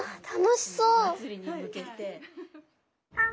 祭りに向けて。